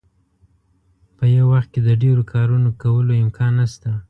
په یو وخت کې د ډیرو کارونو کولو امکان نشته.